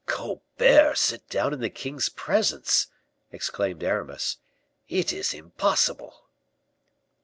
"Colbert sit down in the king's presence!" exclaimed Aramis. "It is impossible."